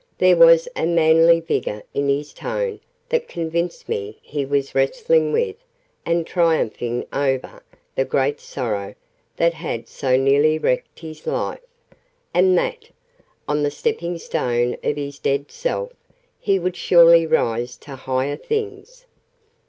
There was a manly vigour in his tone that convinced me he was wrestling with, and triumphing over, the great sorrow that had so nearly wrecked his life and that, on the stepping stone of his dead self, he would surely rise to higher things!